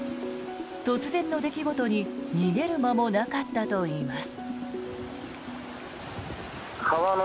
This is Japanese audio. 突然の出来事に逃げる間もなかったといいます。